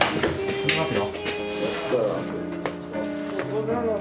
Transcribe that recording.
行きますよ。